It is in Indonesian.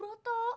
bang ada bubroto